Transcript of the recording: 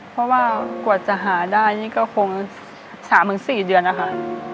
เพราะว่ากว่าจะหาได้นี่ก็คงสามหรือสี่เดือนนะคะ